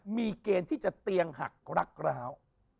มีวิเกณฑ์ที่จะเตียงหักล้ากราว